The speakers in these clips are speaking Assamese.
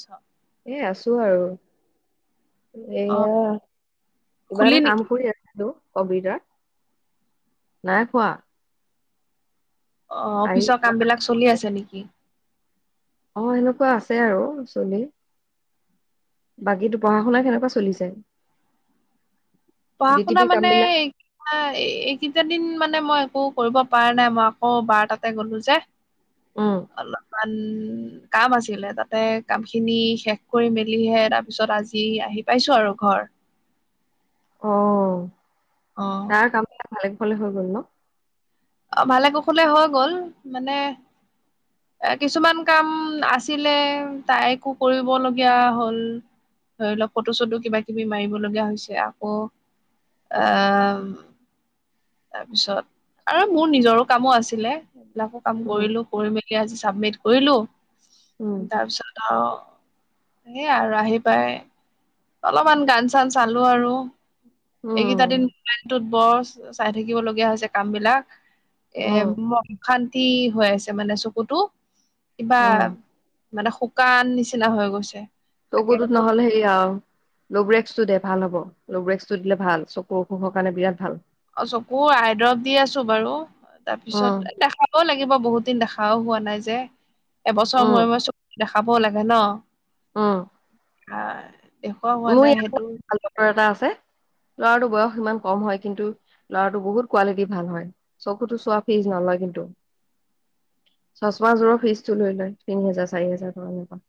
ছ এ আছো আৰু অ এয়া কিবা খুলি এটা কাম নেকি কৰি আছেো হেল্ল' অবিৰত নাই খোৱা অ আহি অফিচৰ কিবা- কাম বিলাক চলি আছে নেকি অ এনেকুৱা আছে আৰু চুলি বাকীতো পঢ়া শুননা কেনেকুৱা চলিছে পঢ়া ডি টি শুনা পি কাম মানে বিলাক এইকেইটা দিন মানে মই একো কৰিব পৰা নাই মই আকৌ বাৰ তাতে গ'লো যে [unintelligible] অ অলপমান কাম আছিলে তাতে কাম খিনি শেষ কৰি মেলিহে তাৰ পিছত আজি আহি পাইছো আৰু ঘৰ অ অ তাৰ কাম একা ভালেগ ভালে হৈ গ'ল ন অ, ভালে কুশলে হৈ গ'ল মানে এ কিছুমান কাম আছিলে তাইকো কৰিবলগীয়া হ'ল। ধৰি লওক ফটো-চটো কিবা কিবি মাৰিব লগীয়া হৈছে আকৌ আহ তাৰপিছত আৰু মোৰ নিজৰো কামো আছিলে, সেইবিলাকো কাম উম কৰিলো। কৰি মেলি আজি চাবমিট কৰিলো উম তাৰ পিছত ত' সেইয়ে আৰু আহি পাই অলপমান গান-চান চালো আৰু এইকেইটা উম দিন টোত বছ চাই থাকিবলগীয়া হৈছে কাম বিলাক এ উম শান্তি হৈ আছে মানে চকুটো কিবা উম মানে শুকান নিচিনা হৈ গৈছে। ত তাকে গুৰুত নহ'লে এইয়া লৰেক্সটো দে ভাল হ'ব লৰেক্সটো দিলে ভাল চকুৰ অসুখৰ কাৰণে বিৰাট ভাল। অ, চকু আইদৰৱ দি আছো বাৰু উম তাৰপিছত দেখ লাগিব বহুত দিন দেখাও হোৱা নাই যে, এবছৰ উম মূৰে-মূৰে চকু দেখাবও লাগে ন। উম। হ দেখুৱা হোৱা মোৰ নাই সেইটো। ভাল বতৰ এটা আছে। ল'ৰাটো বয়স ইমান কম হয় কিন্তু ল'ৰাটো বহুত কোৱালিটি ভাল হয়। চকুটো চোৱা ফিছ নলয় কিন্তু। চচমা যোৰৰ ফিজটো লৈ লয়, তিনি হাজাৰ, চাৰি হাজাৰ পৰা এনেকুৱা।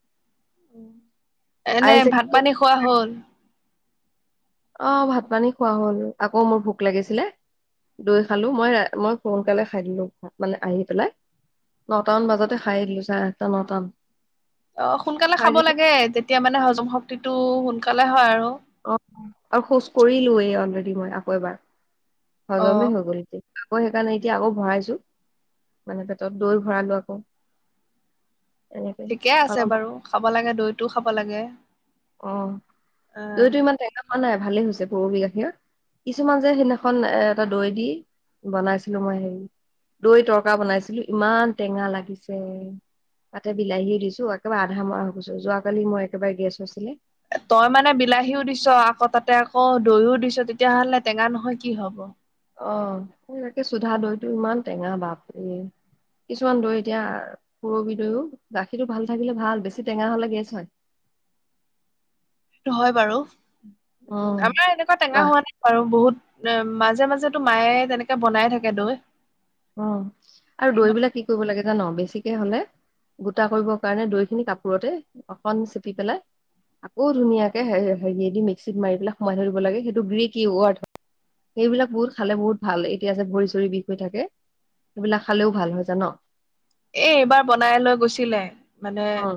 এনে আই ভাত চেকআপ পানী খোৱা হ'ল? অ, ভাত পানী খোৱা হ'ল, আকৌ মোৰ ভোক লাগিছিলে। দৈ খালো মই, মই সোনকালে খাই দিলো মানে আহি পেলাই। নটামান বাজতে খাই আহিলো চাৰে আঠটা নটা অ, সোনকালে খাব লাগে তেতিয়া মানে হজম শক্তিটো সোনকালে হয় আৰু। অ, আৰু শোচ কৰিলোৱেই অলৰেডি মই আকৌ এবাৰ অ হজমেই হৈ গল এতিয়া। মই সেইকাৰণে এতিয়া আকৌ ভৰাইছো। মানে পেটত দৈ ভৰালো আকৌ। এনেকে ঠিকে আছে অলপ বাৰু খাব লাগে দৈটোও খাব লাগে। অ, অ দৈটো ইমান টেকা হোৱা নাই ভালেই হৈছে পুৰবি গাখীৰত। কিছুমান যে সেইদিনাখন এ এটা দৈ দি বনাইছিলো মই হেৰি দৈ তৰকা বনাইছিলো ইমান টেঙা লাগিছে। তাতে বিলাহীও দিছো একেবাৰে আধা মৰা হৈ গছো, যোৱাকালি মই একেবাৰে গেছ হৈছিলে। তই মানে বিলাহীও দিছো আকৌ তাতে আকৌ দৈও দিছো তেতিয়াহলে টেঙা নহয় কি হব। অ, তাকে চোধা দৈটো ইমান টেঙা বাপৰে। কিছুমান দৈ এতিয়া পুৰবি দৈও গাখীৰটো ভাল থাকিলে ভাল বেছি টেঙা হ'লে গেছ হয়। হয় বাৰু, অ উ আমাৰ এনেকুৱা টেঙা বাহ হোৱা নাই। আৰু বহুত মাজে মাজেতো মায়ে তেনেকে বনাই থাকে দৈ। অ, আৰু ইমান দৈবিলাক কি কৰিব লাগে জানো বেছিকে হলে গোটা কৰিবৰ কাৰণে দৈ খিনি কাপোৰতে অকণ চেপি পেলাই আকৌ ধুনীয়াকে হেৰি দি মিক্সিত মাৰি পেলাই সোমাই ধৰিব লাগে, সেইটো গ্ৰেকি সেইবিলাক বহুত খালে বহুত ভাল এতিয়া যে ভৰি-চৰি বিষ হৈ থাকে। সেইবিলাক খালেও ভাল হয় জানো? এই এইবাৰ বনাই লৈ গৈছিলে মানে অ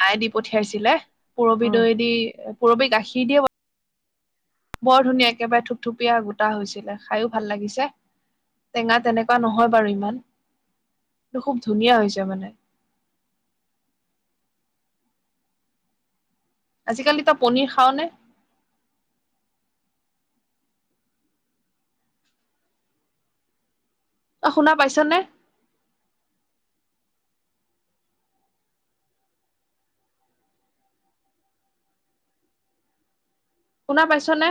মায়ে দি পঠিয়াইছিলে। পুৰবি অ দৈ দি পুৰবি গাখীৰ দিয়ে বৰ ধুনীয়া একেবাৰে থুপথুপীয়া গোটা হৈছিলে, খাইও ভাল লাগিছে। টেঙা তেনেকুৱা নহয় বাৰু ইমান, খুব ধুনীয়া হৈছে মানে। আজিকালি তই পনীৰ খাও নে? অ শুনা পাইছা নে? শুনা পাইছো নে?